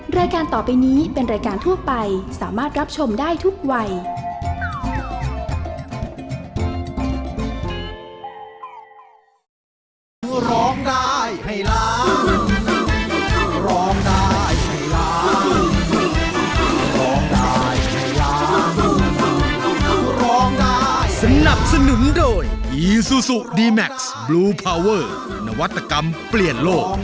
รายการต่อไปนี้เป็นรายการทั่วไปสามารถรับชมได้ทุกวัย